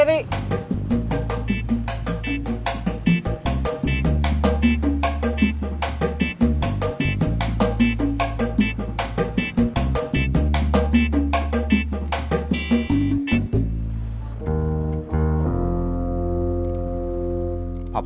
apa yang kita lakukan